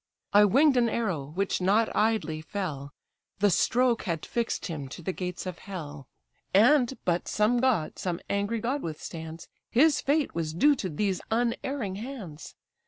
I wing'd an arrow, which not idly fell, The stroke had fix'd him to the gates of hell; And, but some god, some angry god withstands, His fate was due to these unerring hands.